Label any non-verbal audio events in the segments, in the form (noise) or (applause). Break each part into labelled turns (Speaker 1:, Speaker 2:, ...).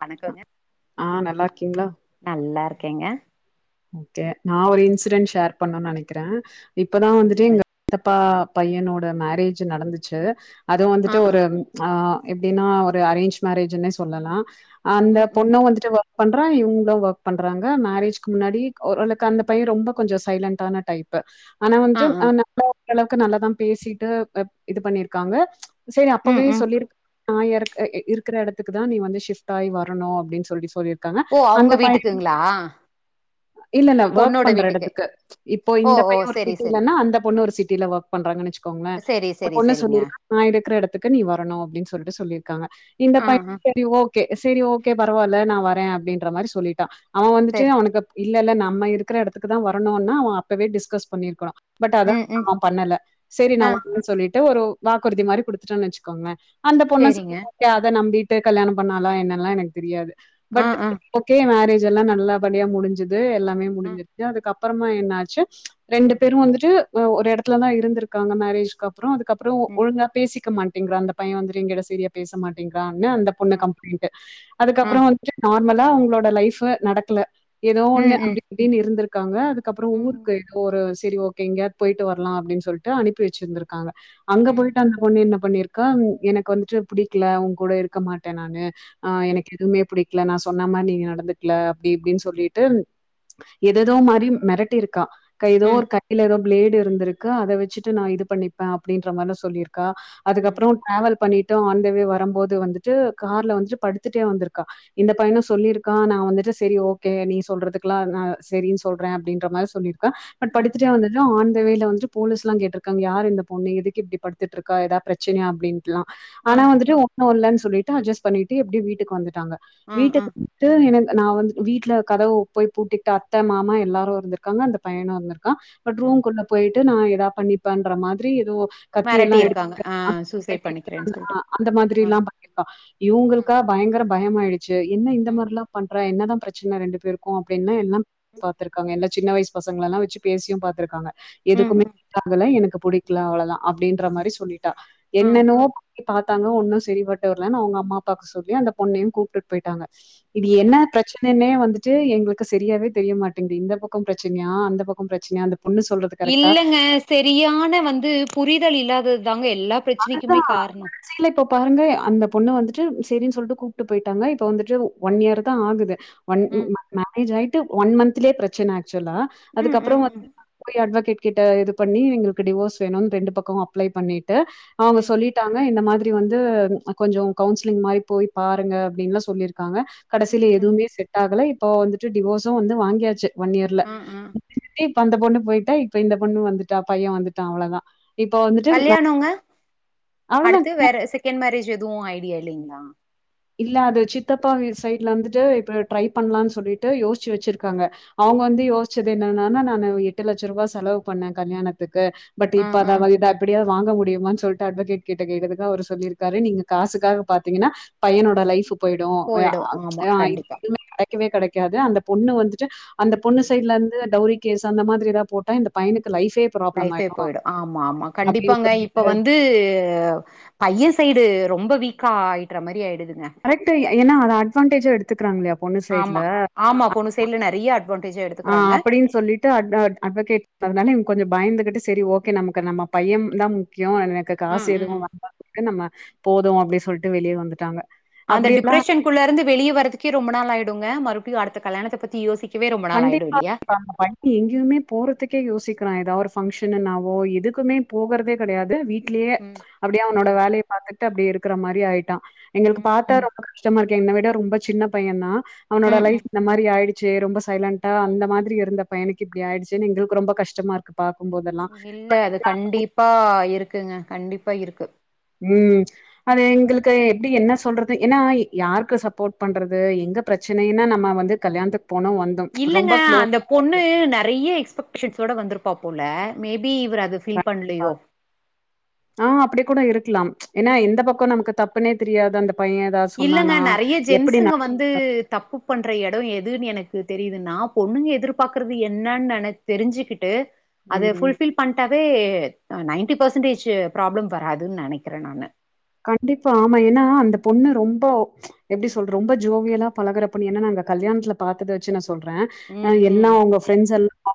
Speaker 1: வணக்கோங்க.
Speaker 2: ஆ நல்லார்க்கிங்ளா?
Speaker 1: நல்லா இர்க்கேங்க.
Speaker 2: ஓகே நா ஒரு இன்சிடென்ட் ஷேர் பண்ணுன் நெனைக்கிறே இப்பதா வந்துட்டு
Speaker 1: சொல்லுங்க
Speaker 2: இங்க சித்தப்பா பையனோட மேரேஜ் நடந்துச்சு அது
Speaker 1: ஆ
Speaker 2: வந்துட்டு
Speaker 1: ஆ
Speaker 2: ஒரு ஆ எப்டினா ஒரு அரேஞ்ச் மேரேஜ்னே சொல்லலா அந்த
Speaker 1: ம் ம்
Speaker 2: பொண்ண வந்துட்டு வொ பண்றா இவங்களு ஒர்க் பண்றாங்க மேரேஜ் முன்னாடிக் ஓரளக் அந்த பைய ரொம்ப கொஞ்சோ சைலன்டான டைப்பு ஆனா
Speaker 1: ஆ
Speaker 2: வஞ்சு
Speaker 1: ஆ
Speaker 2: ஆனா (inaudible) ஓரளவுக்கு நல்லதா பேசிட்டு ப் இது பண்ணிருக்காங்க செரி
Speaker 1: ம்
Speaker 2: அப்பவே
Speaker 1: ம்
Speaker 2: சொல்லிருக் நா இறக் அஇ இருக்குற எடத்துக்கு தா நீ வந்து ஷிஃப்ட் ஆயி வரணு அப்படின் சொல்லி சொல்லிருக் ருக்காங்க அந்த பைய
Speaker 1: ஆ
Speaker 2: இல்ல இல்ல ஒர்க் பண்ற எடத்துக்கு இப்போ
Speaker 1: ஓ
Speaker 2: இந்த
Speaker 1: ஓ
Speaker 2: பைய ஒரு
Speaker 1: செரி செரி
Speaker 2: சிட்டிலனா அந்த பொண்ணு ஒரு சிட்டில ஒர்க் பண்றாங்கன்னு வச்சுக்கோங்களே
Speaker 1: செரி
Speaker 2: இந்த
Speaker 1: செரி
Speaker 2: பொண்ணு
Speaker 1: செரிங்க
Speaker 2: சொல்லிருக்கா நா இருக்கிற இடத்துக்கு நீ வரணு அப்படின் சொல்லிட்டு சொல்லிருக்காங்க இந்த
Speaker 1: ஆ
Speaker 2: பைய
Speaker 1: ஆ
Speaker 2: சரி ஓ கே சரி ஓகே பரவால்ல நா வரே அப்படின்ற மாரி சொல்லிட்டா அவ வந்துட்டு
Speaker 1: செரி
Speaker 2: அவனுக்கு இல்ல இல்ல நம்ம இருக்கிற எடத்துக்குதா வரணுன்னா அவே அப்பவே டிஸ்கஸ் பண்ணிருக்கா பட் அத
Speaker 1: ம் ம்
Speaker 2: அவ பண்ணல சரி நா
Speaker 1: ஆ
Speaker 2: வாங்கன் சொல்லிட்டு ஒரு வாக்குறுதி மாரி குடுத்துட்டேன் வச்சுக்கோங்க அந்த பொண்ணு
Speaker 1: செரிங்க
Speaker 2: சரி வரே அத நம்பிட்டு கல்யாணோ பண்ணாலா என்னல்லா எனக்கு தெரியாது
Speaker 1: ஆ
Speaker 2: பட்
Speaker 1: ஆ
Speaker 2: ஓகே மேரேஜ் எல்லா நல்லா படியா முடிஞ்சுது எல்லாமே
Speaker 1: ஆ
Speaker 2: முடிஞ்சிருக்கு அதுக்கு அப்பறமா என்ன ஆச்சு
Speaker 1: ஆ
Speaker 2: ரெண்டு பேரு வந்துட்டு உ ஒரு இடத்துல தா இருந்திருக்காங்க மேரேஜ்க்கு அப்பறோ அதுக்கப்பறோ
Speaker 1: ம்
Speaker 2: ஒழுங்கா பேசி கிற மாட்டேங்கிறா அந்த பைய வந்து எங்கிட்ட சரியா பேச மாட்டேங்குறான் அந்த பொண்ணு
Speaker 1: ம்
Speaker 2: கம்ப்ளைண்டு
Speaker 1: ஆ
Speaker 2: அதுக்கப்பற வந் து நார்மலா அவங்களோட லைஃபு நடக்கல ஏதோ ஒன்னு
Speaker 1: ம் ம்
Speaker 2: அப்டி இப்டின்னு இருந்திருக்காங்க அது கப்புற
Speaker 1: ம்
Speaker 2: ஊருக்கு
Speaker 1: ம்
Speaker 2: எதோ ஒரு சரி ஓகே எங்கயாவது போய்ட்டு வரலா அப்டின் சொல்ட்டு அனுப்பி வச்சிந்திருக்காங்க அங்க
Speaker 1: ம்
Speaker 2: போய்ட்டு அந்த பொண்ணு என்ன பண்ணிருக்கா எனக்கு வந்துட்டு புடிக்கல உங்கூட இருக்க மாட்ட நானு ஆ
Speaker 1: ம்
Speaker 2: எனக்கு எதுமே புடிக்கல நா சொன்ன மாரி நீங்க நடந்துக்கல அப்டி இப்டின்னு சொல்லிட்டு எதேதோ மாரி மெரட்டிருக்கா க ஏதோ
Speaker 1: ம்
Speaker 2: ஒரு கைல ஒரு பிளேடு இருந்திருக்கு அத வச்சுட்டு நா இது பண்ணிப்ப அப்டின்ற மாரிலா சொல்லிருக்கா
Speaker 1: ம்
Speaker 2: அதுக்கப்பற டிராவல் பண்ணிட்டு ஆன் த வே வருபோது வந்துட்டு கார்ல வந்துட்டு படுத்துட்டே வந்துருக்கா இந்த
Speaker 1: ம்
Speaker 2: பையனு சொல்லிருக்கா நா வந்துட்டு சரி ஓ கே நீ சொல்றதுக்குலா நா செரின் சொல்றே அப்படின்ற மாரி சொல்லிருக் கா பட்
Speaker 1: ம்
Speaker 2: படுத்துட்டே வந்தது ஆன் த வேல வந்துட்டு போலீஸ்ல்லா கேட்டிருக்காங்க யார் இந்த பொண்ணு எதுக்கு இப்டி படுத்துட்டுருக்கா ஏதா பிரச்சனயா அப்படின் லா
Speaker 1: ஆ
Speaker 2: ஆனா வந்துட்டு ஒன்னு இல்லன் சொல்லிட்டு அட்ஜஸ்ட் பண்ணிட்டு எப்டியோ வீட்டுக்கு வந்துட்டாங்க
Speaker 1: ஆ ஆ
Speaker 2: வீட்டுக் டு எனக்கு நா வந்து வீட் வீட்ல கதவு போய் பூட்டிட்டு அத்தை மாமா எல்லாரு இருந்திருக்காங்க அந்த பையனு இருந்திருக்கான் பட்
Speaker 1: ஆ
Speaker 2: ரூம்க்குள்ள போய்ட்டு நான் ஏதா பண்ணிப்பண்ற மாரி எதோ கத்தி
Speaker 1: மிரட்டி
Speaker 2: எல்லா
Speaker 1: இருக்காங்க
Speaker 2: எடுத்துட்டு
Speaker 1: ஆ சூசைட் பண்ணிக்கிறேன்னு சொல்லிட்டு
Speaker 2: ஆ அந்த
Speaker 1: ம்
Speaker 2: மாதிரில்லாம் பண் க்க இவங்களுக்கா பயங்கர பயம் ஆயிடுச்சு என்ன இந்த
Speaker 1: ம்
Speaker 2: மாரில்லா பண்றா என்னதா சின்ன ரெண்டு பேருக்கு அப்டின்னா எல்லா
Speaker 1: ம்
Speaker 2: பா்த்திருக்காங்க எல்லா சின்ன வயசு பசங்களல்லா வச்சு பேசியு பா்த்திருக்காங்க
Speaker 1: ம்
Speaker 2: எதுக்குமே செட் ஆகல எனக்கு புடிக்ல அவ்ளதா அப்டின்ற மாரி சொல்லிட்டா
Speaker 1: ம்
Speaker 2: என்னென்னோவோ பண்ணி பாத்தாங்க ஒன்னு சரிபட்டு வரலன் அவங்க அம்மா அப்பாக்கு சொல்லி அந்த பொண்ணையு கூப்ட்டு போய்ட்டாங்க இது
Speaker 1: ம்
Speaker 2: என்ன பிரச்சன என்னனே வந்துட்டு எங்களுக்கு செரியாவே தெரிய மாட்டங்து இந்த பக்கம் ப்ரெச்சன்யா அந்த பக்கம் ப்ரெச்சனயா அந்த பொண்ணு சொல்றது கரெக்ட்டா?
Speaker 1: இல்லங்க செரியான வந்து புரிதல் இல்லாதத் தாங்க எல்லா
Speaker 2: அதுதா
Speaker 1: பிரச்சனைக்குமே காரணோ
Speaker 2: சியில இப்ப பாருங்க எ அந்த பொண்ணு வந்துட்டு செரின் சொல்ட்டு கூப்டு போய்ட்டாங்க இப்ப வந்துட்டு ஒன் யேரு தா ஆகுது ஒன் ம் மேரேஜ் ஆயிட்டு ஒன் மந்த்திலே ப்ரெச்சன ஆக்சுவலா
Speaker 1: ம்
Speaker 2: அதுக்கப்புறோ
Speaker 1: ம் ம்
Speaker 2: வ போய் அட்வகேட் கிட்ட இது பண்ணி எங்களுக்கு டிவோஸ் வேணுன் ரெண்டு பக்கமோ அப்ளை பண்ணிட்டு அவங்க
Speaker 1: ம்
Speaker 2: சொல்லி ட்டாங்க இந்த மாதிரி வந்து அ கொஞ்சோ கவுன்சிலிங் மாரி போய் பாருங்க அப்டின்லா சொல்லிரு க்காங்க
Speaker 1: ம்
Speaker 2: கடைசில
Speaker 1: ம்
Speaker 2: எதுவுமே செட் ஆகல இப்போ வந்துட்டு டிவோசு வந்து வாங்கியாச்சு ஒன் இயர்ல
Speaker 1: ஆ ஆ
Speaker 2: (unintelligible) இப்ப அந்த பொண்ணு போயிட்டா இப்ப இந்த பொண்ணு வந்துட்டா பைய வந்துட்டா அவ்ளோதா இப்ப வந்துட்டு மே
Speaker 1: கல்யாணோங்க அடுத்து
Speaker 2: அவ்வளதான்.
Speaker 1: வேற செகண் மேரேஜ் எதுவு ஐடியா இல்லைங்களா
Speaker 2: இல்ல அது சித்தப்பா வீடு சைட்ல வந்துட்டு இப்ப ட்ரை பண்ணலான் சொல்லிட்டு யோஸ்ச்சு வெச்சிருக்காங்க அவங்க வந்து யோஸ்ச்சது என்னன்னானா நா எட்டு லட்சரூபா செலவு பண்ண கல்யாணத்துக்கு பட்
Speaker 1: ஆ
Speaker 2: இப்ப
Speaker 1: ஆ
Speaker 2: அத அவகிட்ட எப்படியாவ் வாங்க முடியுமான் சொல்ட்டு அட்வகேட் கிட்ட கேட்டதுக்கு அவரு சொல்லிருக்காரு நீங்க காசுக்காக பாத்தீங்கன்னா பையனோட லைஃபு போய்டு வ
Speaker 1: போயிடு ஆமா
Speaker 2: அ (inaudible)
Speaker 1: கண்டிப்பா
Speaker 2: கெடைக்கவோ கெடைக்காது அந்த பொண்ணு வந்துட்டு அந்த பொண்ணு
Speaker 1: ம்
Speaker 2: சைட்லந்து டௌரி கஸ் அந்த மாதிரி எதா போட்ட இந்த பைனுக்கு லைஃபே ப்ராப்ளம்
Speaker 1: லைஃபே
Speaker 2: ஆயிடு
Speaker 1: போயிடு ஆமா ஆமா
Speaker 2: அப்படின்னு
Speaker 1: கண்டிப்பாங்க இப்ப
Speaker 2: சொல்லிட்டு
Speaker 1: வந்து பைய சைடு ரொம்ப வீக்க ஆயிட்ற மாரி ஆயிடுதுங்க
Speaker 2: கரெட்டு எ ஏன்னா அது அட்வாடேஜ் எடுத்துக்கராங்களே
Speaker 1: ஆமா ஆமா பொண்ணு சைட்ல நெறிய
Speaker 2: ஆ அப்படின் சொல்லி ட்டு அட்கட் அட்வகேட் அதனால இவங் கொஞ்சோ பயந்துகிட்டு செரி ஓகே நமக்கு நம்ம பையம் தா முக்கியோ எனக்கு காசு
Speaker 1: ம் ம்
Speaker 2: எதுவு வேண்டா நம்ம போது அப்டி சொல்டு வெளிய வந்துட்டாங்க
Speaker 1: அந்த
Speaker 2: அப்படியெல்லாம்
Speaker 1: டிப்ரஷன்க்குள்ள இருந்து வெளிய வரத்துகே ரொம்ப நாள் ஆயுடுங்க மறுப்டியு அடுத்த கல்யாணத்த பத்தி யோசிக்
Speaker 2: கண்டிப்பா (unintelligible) எங்கியுமே போறதுக்கே யோசிக்கிறா எதாவ ஒரு ஃபங்க்ஷன்னுனாவோ எதுக்குமே போகறதே கெடையாது வீ ட்லியே
Speaker 1: ம்.
Speaker 2: அப்படியே அவனோட
Speaker 1: ம்.
Speaker 2: வேலைய பாத்துட்டு அப்டியே இருக்குற மாரி ஆயிட்டா எங்களுக்கு
Speaker 1: ம்.
Speaker 2: பாத்த
Speaker 1: ம்.
Speaker 2: ரொ ம்ப கஷ்டமா இருக்கு என்ன விட ரொம்ப சின்ன பையந்தா அவனோட
Speaker 1: ம்.
Speaker 2: லைஃப்
Speaker 1: ம்.
Speaker 2: இந்த மாரி ஆயிடுச்சு ரொம்ப சைலண்டா அந்த மாதிரி இருந்த பையனுக்கு இப்டி ஆயிடுச்சுன் எங்களுக்கு ரொம்ப கஷ்டமாருக்குப் பாக்கும்போதெல்லா
Speaker 1: இல்ல அது கண்டிப்பா இருக்குங்க கண்டிப்பா இருக்கு
Speaker 2: ம்
Speaker 1: அ
Speaker 2: அது எங்களுக் கு எப்டி என்ன சொல்றது ஏன்னா யாருக்கு சப்போட் பன்றது எங்க ப்ரெச்சனைன நம்ம வந்து கல்யாணத்துக் போனோ வந்
Speaker 1: இல்லங்க அந்த பொண்ணு நெறைய எக்ஸ்பெக்டேஷன்ஸ்சோட வந்துருப்பா போல மேபி இவர் அத ஃபில் பண்லயோ
Speaker 2: ஆ அப்படி கூட இருக்கலா ஏன்னா
Speaker 1: ம்.
Speaker 2: எந்த பக்கோ நமக்கு தப்புனே தெரியாது அந்த பைய ஏதாவது
Speaker 1: இல்லங்க
Speaker 2: சொன்னானா
Speaker 1: நெறைய
Speaker 2: எப்டி ந
Speaker 1: ஜென்சுங்க வந்து தப்பு பண்ற எடோ எதுனு எனக்கு தெரியுதுன்னா பொண்ணுங்க எதிர்பாக்குறது என்னன் நென தெரிஞ்சுக்கிட்டு அத
Speaker 2: ம்
Speaker 1: ஃபுல்ஃபில் பண்ட்டாவே அ நைன்டி பேசன்டேஜு ப்ராப்ளம் வராதுன் நெனைக்கிறே நானு
Speaker 2: கண்டிப்பா ஆமா ஏன்னா அந்த பொண்ணு ரொம்போ எப்டி சொல்ற ரொம்போ ஜோவியலா பழகுற பொண்ணு ஏன்னா நாங்க கல்யாணத்துல பாத்தத வெச்சு நா சொல்றே அ
Speaker 1: ம் ம்
Speaker 2: எல்லா அவுங்க ஃப்ரெண்ஸ் எல்லா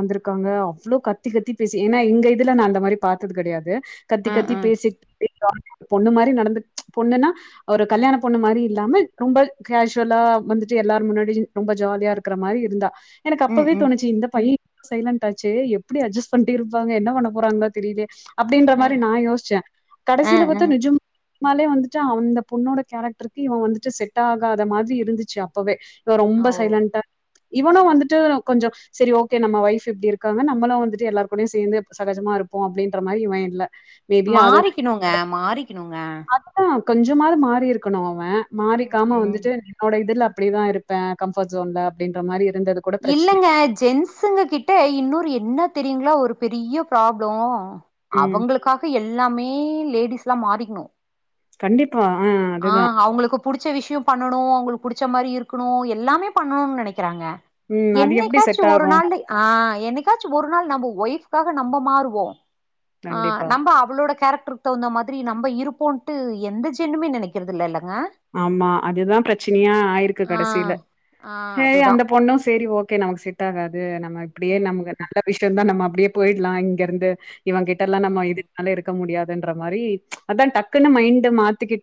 Speaker 2: வந்திருக்காங்க அவ்வளோ கத்தி கத்தி பேசி ஏன்னா எங்க இதுல நா அந்த மாரி பாத்தது கெடையாது கத்தி
Speaker 1: அ
Speaker 2: கத்தி
Speaker 1: அ
Speaker 2: பேசிட்டு (inaudible) பொண்ணு மாரி நடந்க் பொண்ணுனா ஒரு
Speaker 1: ம்
Speaker 2: கல்யாண பொண்ணு மாரி இல்லாம ரொம்ப கேஷ்வலா வந்துட்டு எல்லாரு முன்னாடி ரொம்ப ஜாலியா இருக்குற மாரி இருந்தா எனக்கு
Speaker 1: ம்
Speaker 2: அப்பவே
Speaker 1: ம்
Speaker 2: தோணுச்சு இந்த பைய் சைலண்ட்டாச்சே எப்டி அட்ஜஸ்ட் பண்டுட்டு இருப்பாங்க என்ன பண்ண போறாங்களோ தெரிலயே அப்டின்ற மாரி
Speaker 1: ம்
Speaker 2: நா யோசிச்சே
Speaker 1: அ
Speaker 2: கடைசில பாத்தா நெஜம் மாலே வந்துட்டு அந்த பொண்ணோட கேரக்டருக்கு இவ வந்துட்டு செட் ஆகாத மாதிரி இருந்துச்சு அப்பவே இவ
Speaker 1: அ
Speaker 2: ரொம்ப
Speaker 1: ஓ
Speaker 2: சைலன்டா இவனு வந்துட்டு கொஞ்சோ செரி ஓகே நம்ம ஒய்ஃப் இப்டி இருக்காங்க நம்மளு வந்துட்டு எல்லார் கூடயு சேந்து சகஜமா இருப்போ அப்டின்ற மாரி இவே இல்ல மேபி
Speaker 1: மாறிக்கிணுங்க மாறிக்கிணுங்க
Speaker 2: அதுதா கொஞ்சமாவது மாறி இருக்கணு அவே
Speaker 1: ம்
Speaker 2: மாறிக்காம
Speaker 1: ம்
Speaker 2: வந்துட்டு அவனோட இதுல அப்டிதா இருப்பே கம்ஃபோர்ட் சோன்ல அப்டின்ற மாரி இருந்தது கூட
Speaker 1: இல்லங்க
Speaker 2: பிரச்சனையா
Speaker 1: ஜென்ஸ்சுங்க கிட்ட இன்னொரு என்ன தெரியுங்களா ஒரு பெரிய ப்ராப்ளோ
Speaker 2: ம்.
Speaker 1: அவுங்களுக்காக எல்லாமே லேடிஸ் லா மாறிக்கிணு
Speaker 2: கண்டிப் பா ஆஹ்
Speaker 1: ஆஹ் அவுங்களுக்கு புடிச்ச விஷயோ பண்ணணு அவுங்களுக்கு புடிச்ச மாரி இருக்கணு எல்லாமே பண்ணணுனு நெனக்கிறாங்க
Speaker 2: ம் அது எப்டி
Speaker 1: என்னைக்காச்சு
Speaker 2: செட்
Speaker 1: ஒரு
Speaker 2: ஆகும்?
Speaker 1: நாளு ஆஹ் என்க்காச்சு ஒரு நாள் நம்ம ஒய்ஃக்காக நம்ம மாறுவோ ஆஹ்
Speaker 2: கண்டிப்பா.
Speaker 1: நம்ம அப் அவளோட கேரக்டர்க்கு தகுந்த மாதிரி நம்ம இருப்போன்ட்டு எந்த ஜென்னுமே நெனக்கிறதில்ல ல்லங்க
Speaker 2: ஆமா அதுதா பிரெச்சனையா ஆயிருக்கு
Speaker 1: ஆ
Speaker 2: கடைசில
Speaker 1: ஆ
Speaker 2: ஹ
Speaker 1: அதுதா
Speaker 2: அந்த பொண்ணு சேரி ஓகே நமக்கு செட் டாகாது நம்ம இப்டியே
Speaker 1: ம்
Speaker 2: நமக்கு நல்ல விஷயதா நம்ம அப்டியே போயிடலா இங்க இருந்து இவ கிட் டால நம்ம
Speaker 1: ம்
Speaker 2: எதுக் அதுனால இருக்க முடியாதுன்ற மாரி அதா டக்குன்னு மைண்ட மாத்திக்கிட் டு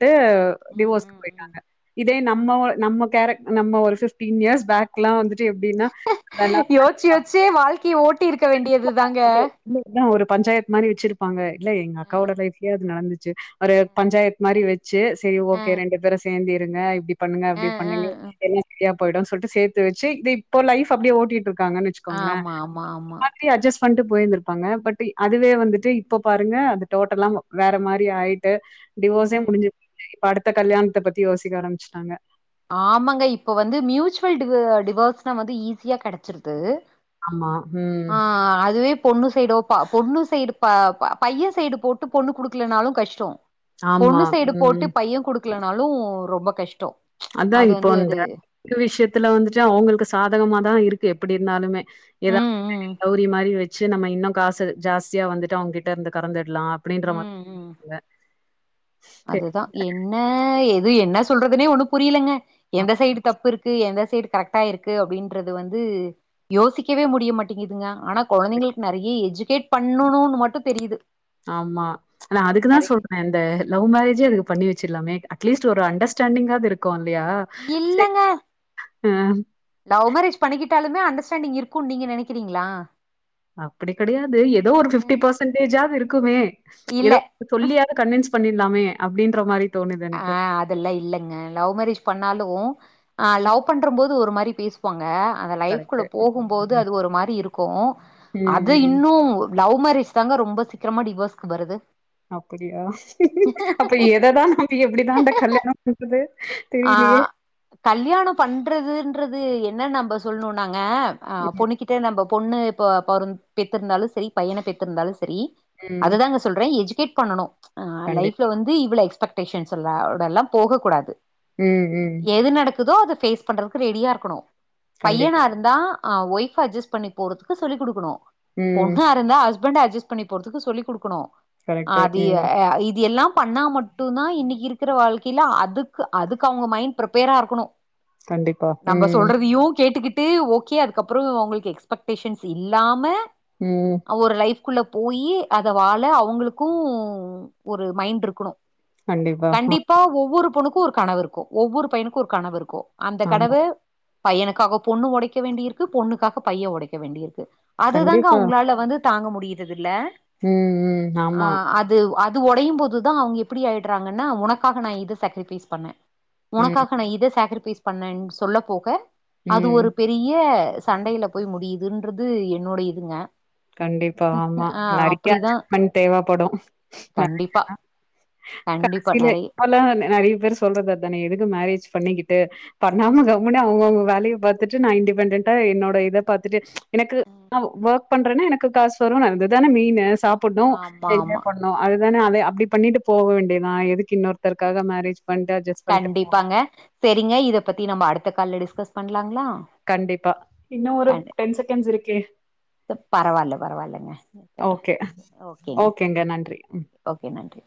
Speaker 1: ம்
Speaker 2: டிவோஸ்கு
Speaker 1: ம் ம்
Speaker 2: போயிட்டாங்க இதே நம்ம நம்ம கேரக் நம்ம ஒரு ஃபிஃப்டீன் இயர்ஸ் பேக் லா வந்துட்டு எப்டின்னா அதெல்லா அன்
Speaker 1: வச்சு வச்சே வாழ்க்கைய ஓட்டி இருக்க வேண்டியது தாங்க
Speaker 2: இல்ல இதா ஒரு பஞ்சாயத்து மானி வச்சிருப்பாங்க இல்ல எங்க அக்காவோட லைப்லயே அது நடந்துச்சு ஒரு பஞ்சாயத்து மாரி வச்சு செரி
Speaker 1: அ
Speaker 2: ஓகே ரெண்டு பேரு சேந்து இருங்க இப்டி பண்ணுங்க
Speaker 1: அ
Speaker 2: அப்டி பண்ணுங்க
Speaker 1: அ
Speaker 2: எல்லா சரியா போயுடு சொல்ட்டு சேத்து வச்சு இதோ இப்போ லைஃப் அப்டியே ஓட்டிட்டு இருக்காங்கனு வச்
Speaker 1: ஆமா ஆமா ஆமா
Speaker 2: இப்டியே அட்ஜஸ்ட் பண்ணிட்டு போயிருந்திருப்பாங்க பட்டு அதுவே வந்துட்டு இப்ப பாருங்க அது டோட்டலா மா வேற மாரி ஆயிட் டு டிவோர்ஸ்சே
Speaker 1: ம்
Speaker 2: முடிஞ்சு இப்ப அடுத்த கல்யாணத்த பத்தி யோசிக்க ஆரம்பிச்சுட்டாங்க
Speaker 1: ஆமாங்க இப்ப வந்து மியூச்சுவல் டிவு டிவர்ஸ்ன வந்து ஈஸியா கெடைச்சுருது
Speaker 2: ஆமா. ம்.
Speaker 1: ஆஹ் அதுவே பொண்ணு சைடோ பா பொண்ணு சைடு ப ப பையே சைடு போட்டு பொண்ணு குடுக்கலனாலு கஷ்டோ
Speaker 2: ஆமா.
Speaker 1: பொண்ணு சைடு போட்டு
Speaker 2: ம்.
Speaker 1: பையே குடுக்கலனாலு ரொம்ப கஷ்டோ
Speaker 2: அதா
Speaker 1: அது
Speaker 2: இப்போ
Speaker 1: வந்து
Speaker 2: இந்த
Speaker 1: அது
Speaker 2: வீட்டு விஷயத்துல வந்துட்டு அவுங்களுக்கு சாதகமாதா இருக்கு எப்டி இருந்தாலுமே ஏதாவது
Speaker 1: ம் ம்
Speaker 2: கௌரி மாரி வச்சு நம்ம இன்னு காசு ஜாஸ்தியா வந்துட்டு அவுங்ககிட்ட இருந்து கறந்துடலா அப்டின்ற மாரி
Speaker 1: ம் ம்
Speaker 2: ங்க
Speaker 1: அதுதா என்ன எது என்ன சொல்றதுனே ஒண்ணு புரியலங்க எந்த சைடு தப்பு இருக்கு எந்த சைடு கரெக்டா இருக்கு அப்டின்றது வந்து யோசிக்கவே முடிய மாட் டிங்குதுங்க ஆனா கொழந்தைங்களுக்கு நெறைய எஜகேட் பண்ணணுனு மட்டு தெரியுது
Speaker 2: ஆமா ஆனா அதுக்குதா
Speaker 1: நெறைய
Speaker 2: சொல்றே இந்த லவ் மேரேஜே
Speaker 1: ம்.
Speaker 2: அதுக்கு பண்ணி வச் ல்லாமே அட்லீஸ்ட் ஒரு அண்டர்ஸ்டாண்டிங்காது இருக்கு இல்லையா சரி.
Speaker 1: இல்லங்க லவ் மேரேஜ் பண்ணிக்கிட்டாலுமே அண்டர்ஸ்டாண்டிங் இருக்குனு நீங்க நேனைக்கிறீங்களா
Speaker 2: அப்டி கிடையாது ஏதோ ஒரு ஃபிப்டி
Speaker 1: ம்.
Speaker 2: பெர்சன்டேஜாவது இருக்குமே
Speaker 1: இல்ல
Speaker 2: ஏதோ சொல்லியாது கன்வின்ஸ் பண்ணிட்லாமே அப்படின்ற மாரி தோணுது
Speaker 1: ஆ
Speaker 2: எனக்கு.
Speaker 1: அதெல்லா இல்லங்க லவ் மேரேஜ் பண்ணாலு ஆ லவ் பண்ற போது ஒரு மாரி பேச ங்க அந்த லைஃப்குள்ள
Speaker 2: கரெக்ட்டு.
Speaker 1: போகுபோது
Speaker 2: ம்.
Speaker 1: அது ஒரு மாரி இருக்கு
Speaker 2: ம்.
Speaker 1: அது
Speaker 2: ம்.
Speaker 1: இன்னு லவ் மேரேஜ் தாங்க ரொம்ப சீக்கரமா டிவோஸ்கு வருது
Speaker 2: அப்படியா அப்ப எததா எப்டிதா அந்த கல்யாணம் பண்றது தெரிலியே
Speaker 1: கல்யாணம் பண்றதுன்றது என்ன நம்ம சொல்லணுனாங்க அ பொண்ணுகிட் நம்ம பொண்ணு இப்ப பொற பெத்துருந்தாலு சரி பையன பெத்துருந்தாலு சரி
Speaker 2: ம்.
Speaker 1: அதுதாங்க சொல்றே எஜ்கேட் பண்ணனு அ
Speaker 2: கண்டிப்பா.
Speaker 1: லைஃப்ல வந்து இவ்ள எக்ஸ்படேஷன்ஸ் சொல்ல ஆளோடலா போக கூடாது
Speaker 2: உ உ
Speaker 1: எது நடக்குதோ அது பேஸ் பண்றதுக்கு ரெடியா இருக்கணு பையனா
Speaker 2: கண்டிப்பா.
Speaker 1: இருந்தா ஒய்ஃப் அட்ஜஸ்ட் பண்ணி போறதுக்கு சொல்லி குடுக்கணு
Speaker 2: ம்.
Speaker 1: பொண்ணா இருந்தா ஹஸ் ஹஸ்பண்ட அட்ஜஸ்ட் பண்ணி போறதுக்கு சொல்லி குடுக்கணு
Speaker 2: கரெக்ட்டு.
Speaker 1: அதிய
Speaker 2: ம்.
Speaker 1: இது எல்லா பண்ணா மட் மட்டு தா இன்னைக்கு இருக்கிற வாழ்க்கையில அது அதுக்கு அவங்க மைண்ட் ப்ரப்பேரா இருக்கணு
Speaker 2: கண்டிப்பா.
Speaker 1: நம்ம
Speaker 2: ம்.
Speaker 1: சொல்றதயு கேட்டுக்கிட் ட்டு ஓகே அதுக்கப்புறோ உங்களுக்கு எக்ஸ்பக்டேஷன் இல்லாம
Speaker 2: உ
Speaker 1: ஒரு லைஃப்க்குள்ள போயி அத வாழ அவங்களுக்கு ஒரு மைண்ட் இருக்கணு கண்டிப்பா ஒவ்வொரு பொண்ணுக்கு ஒரு கனவு இருக்கு ஒவ்வொரு பையனுக்கு ஒரு கனவு இருக்கு அந்த
Speaker 2: ஆமா.
Speaker 1: கனவு பையனுக்காக பொண்ணு உடைக்க வேண்டியிருக்கு பொண்ணுக்காக பையே உடைக்க வேண்டியிருக்கு அதுதாங்க
Speaker 2: கண்டிப்பா.
Speaker 1: அவங்களால வந்து தாங்க முடியிறது இல்ல
Speaker 2: ம். ம்.
Speaker 1: அ
Speaker 2: ஆமா.
Speaker 1: அது அது உடையு போது தா அவங்க எப்படி ஆய் ராங்கன்னா உனக்காக நா இது சாக்ரிபைஸ் பண்ணே
Speaker 2: ம்.
Speaker 1: உனக்காக நான் இத சாக்கரிபைஸ் பண்ணே சொல்ல போக அது
Speaker 2: ம்.
Speaker 1: ஒரு பெரிய சண்டையில போய் முடியுதுன்றது என்னோட இதுங்க
Speaker 2: கண்டிப்பா ஆமா
Speaker 1: ஆ
Speaker 2: நிறைய
Speaker 1: அப்டிதா
Speaker 2: அஜெஸ்மெண்ட் தேவைப்படு
Speaker 1: கண்டிப்பா கண்டிப்பா நெறைய
Speaker 2: இப்பல்லா நறைய பேர் சொல்றது அதன எதுக்கு மேரேஜ் பண்ணிக்கிட்டு பண்ணாம கம்முனு அவுங்கவுங்க வேலய பாத்துட்டு நா இன்டிபெண்டண்டா என்னோட இத பாத்துட்டு எனக்கு ந ஒர்க் பண்றேன்னா எனக்கு காசு வரு அதுதான மெயினு சாப்டனு
Speaker 1: ஆமா ஆமா
Speaker 2: என்ஜாய் பண்ணு அதுதான அத அப்படி பண்ணிட்டு போக வேண்டியதுதா எதுக்கு இன்னொருத்தருக்காக மேரேஜ் பண்ட்டு அஜஸ்ட் பண்ட்டு போனு
Speaker 1: சரிங்க இத பத்தி நம்ம அடுத்த கால்ல டிஸ்கஸ் பண்ணலாங்களா
Speaker 2: கண்டிப்பா இன்னு ஒரு டென் செகண்ட்ஸ் இருக்கே
Speaker 1: பரவாயில்ல பரவாயில்லங்க இருக்கட்டு
Speaker 2: ஓகே
Speaker 1: ஓகேங்க ஓகே நன்றி